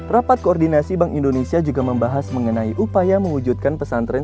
rapat koordinasi bank indonesia juga membahas mengenai upaya mewujudkan pesantren